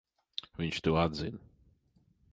Viņš to atzina.